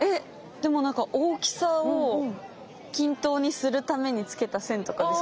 大きさを均等にするためにつけた線とかですか？